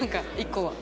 １個は。